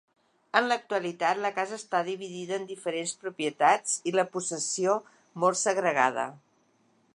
En l'actualitat la casa està dividida en diferents propietats i la possessió molt segregada.